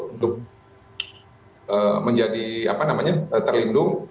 untuk menjadi terlindung